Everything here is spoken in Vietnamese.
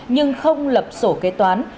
nhưng không lập sổ kế toán